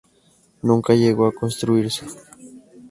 Nunca llegó a construirse.